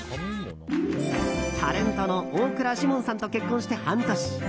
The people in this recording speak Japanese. タレントの大倉士門さんと結婚して半年。